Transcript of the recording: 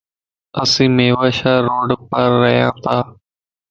اسين ميوا شاه روڊ پار رھياتا.